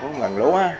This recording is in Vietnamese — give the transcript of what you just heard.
bốn năm lần lúa